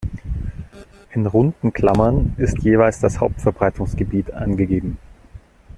In runden Klammern ist jeweils das Hauptverbreitungsgebiet angegeben.